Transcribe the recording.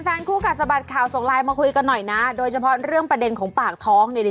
คู่กัดสะบัดข่าวส่งไลน์มาคุยกันหน่อยนะโดยเฉพาะเรื่องประเด็นของปากท้อง